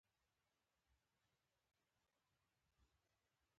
په یویشتمه پېړۍ کې څېړنیز مرکزونه مهم دي.